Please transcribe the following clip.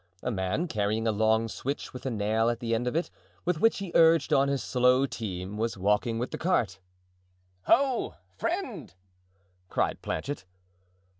A man carrying a long switch with a nail at the end of it, with which he urged on his slow team, was walking with the cart. "Ho! friend," cried Planchet.